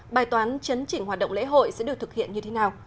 bài toán chấn chỉnh hoạt động lễ hội sẽ được thực hiện như thế nào